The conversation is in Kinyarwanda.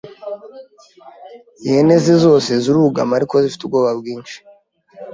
Ihene zose zirugama ariko zifite ubwoba mwinshi